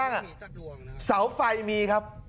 ข้างสาวไฟมีครับ